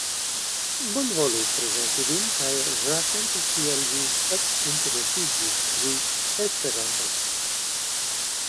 Bonvolu prezenti vin kaj rakonti kiel vi ekinteresiĝis pri Esperanto.